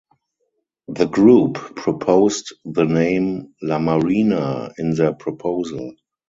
The group proposed the name "La Marina" in their proposal.